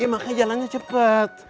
iya makanya jalannya cepet